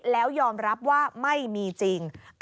แล้วยอมรับว่าไม่มีจริง